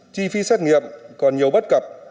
chi phí xét nghiệm còn nhiều bất cập